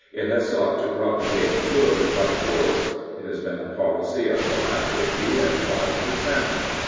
It has sought to propagate good by force. It has been a policy of philanthropy and five per cent.